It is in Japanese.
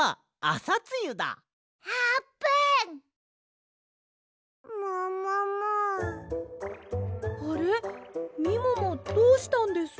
あれみももどうしたんです？